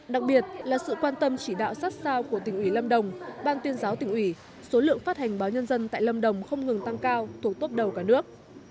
đặc biệt là sự quan tâm chỉ đạo sát sao của tỉnh ủy lâm đồng ban tuyên giáo tỉnh ủy số lượng phát hành báo nhân dân tại lâm đồng không ngừng tăng cao thuộc tốt đầu cả nước